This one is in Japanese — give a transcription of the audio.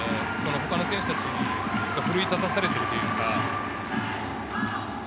他の選手が奮い立たされているというか。